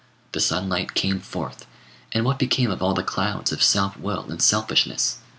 The sunlight came forth, and what became of all the clouds of self will and selfishness?